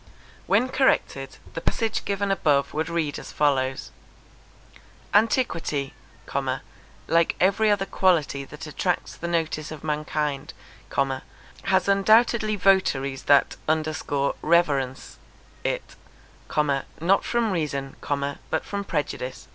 When corrected, the passage given above would read as follows ANTIQUITY, like every other quality that attracts the notice of mankind, has undoubtedly votaries that reverence it, not from reason, but from prejudice.